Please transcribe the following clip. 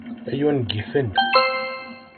Ay ungifen!